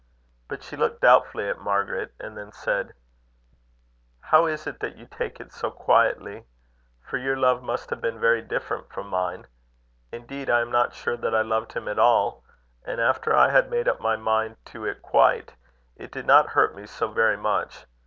But she looked doubtfully at Margaret, and then said: "How is it that you take it so quietly? for your love must have been very different from mine. Indeed, I am not sure that I loved him at all; and after I had made up my mind to it quite, it did not hurt me so very much.